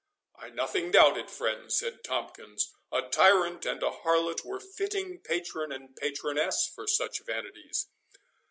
"I nothing doubt it, friend," said Tomkins; "a tyrant and a harlot were fitting patron and patroness for such vanities."